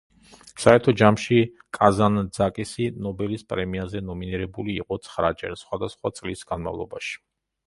საერთო ჯამში, კაზანძაკისი ნობელის პრემიაზე ნომინირებული იყო ცხრაჯერ, სხვადასხვა წლის განმავლობაში.